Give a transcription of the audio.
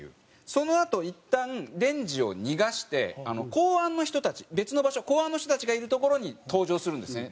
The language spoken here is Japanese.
そのあといったんデンジを逃がして公安の人たち別の場所公安の人たちがいる所に登場するんですね